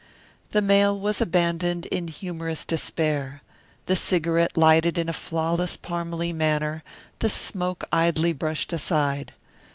The mail was abandoned in humorous despair. The cigarette lighted in a flawless Parmalee manner, the smoke idly brushed aside.